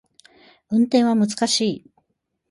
運転は難しい